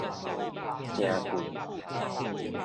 誠貴